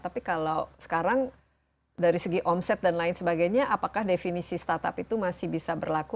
tapi kalau sekarang dari segi omset dan lain sebagainya apakah definisi startup itu masih bisa berlaku